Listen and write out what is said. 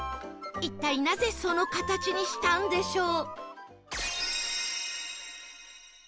一体なぜその形にしたんでしょう？